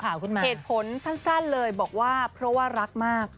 เหตุผลสั้นเลยบอกว่าเพราะว่ารักมาก